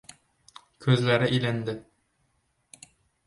Ko‘zlari ilindi...